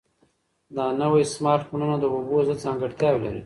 دا نوي سمارټ فونونه د اوبو ضد ځانګړتیاوې لري.